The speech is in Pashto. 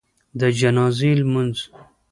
د جنازي لمونځ